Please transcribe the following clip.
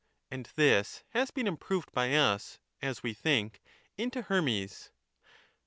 And this has been improved by us, as we think, into Hermes.